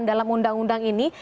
jadi dalam undang undang ini